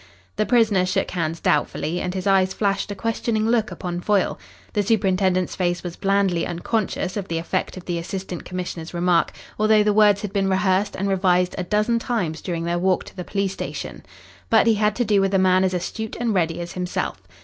The prisoner shook hands doubtfully and his eyes flashed a questioning look upon Foyle. The superintendent's face was blandly unconscious of the effect of the Assistant Commissioner's remark, although the words had been rehearsed and revised a dozen times during their walk to the police station. But he had to do with a man as astute and ready as himself.